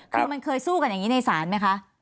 คือมันเคยสู้กันอย่างนี้ในศาลไหมคะ